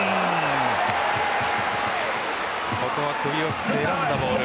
ここは首を振って選んだボール。